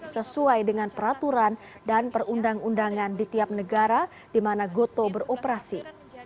sesuai dengan peraturan dan perundang undangan di tiap negara di mana goto beroperasi